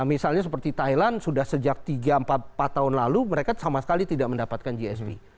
misalnya seperti thailand sudah sejak tiga empat tahun lalu mereka sama sekali tidak mendapatkan gsp